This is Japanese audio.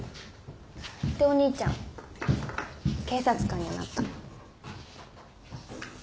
でお兄ちゃん警察官になった。